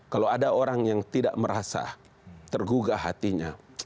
kalau ada orang yang tidak merasa tergugah hatinya